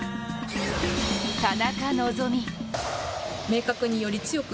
田中希実。